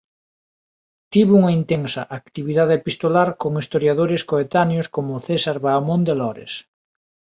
Tivo unha intensa actividade epistolar con historiadores coetáneos como César Vaamonde Lores.